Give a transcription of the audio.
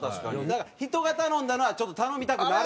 だから人が頼んだのはちょっと頼みたくなる？